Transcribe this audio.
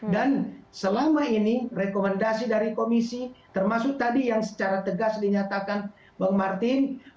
dan selama ini rekomendasi dari komisi termasuk tadi yang secara tegas dinyatakan bang martin